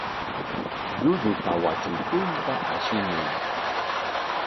Llullupa watrakunta ashimuy.